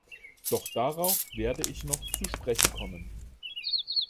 Doch darauf werde ich noch zu sprechen kommen.